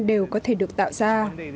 đều có thể được tạo ra